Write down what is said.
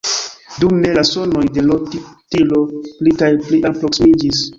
Dume la sonoj de l' tintilo pli kaj pli alproksimiĝis.